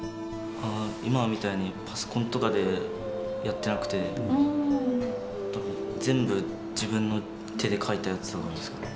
今みたいにパソコンとかでやってなくて全部自分の手で書いたやつだからですかね？